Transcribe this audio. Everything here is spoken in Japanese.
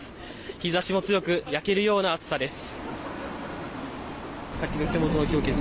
日差しも強く焼けるような暑さです。